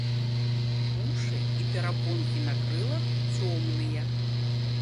Вушы і перапонкі на крылах цёмныя.